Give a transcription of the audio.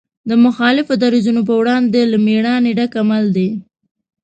د مخالفو دریځونو په وړاندې له مېړانې ډک عمل دی.